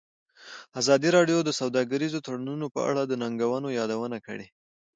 ازادي راډیو د سوداګریز تړونونه په اړه د ننګونو یادونه کړې.